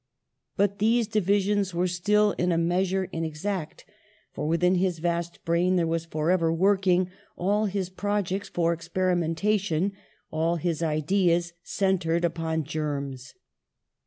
But these divisions are still in a measure inexact, for, within his vast brain that was forever working all his projects for experimentation, all his ideas centred upon germs.